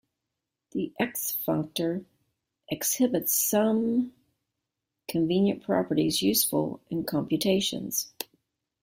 The Ext functor exhibits some convenient properties, useful in computations.